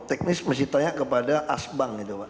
oh teknis mesti tanya kepada asbank itu pak